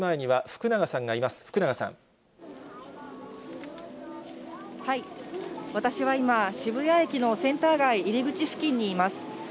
私は今、渋谷駅のセンター街入り口付近にいます。